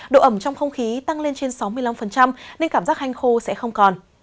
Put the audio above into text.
độ ẩm trong không khí tăng lên trên sáu mươi năm nên cảm giác hanh khô sẽ không còn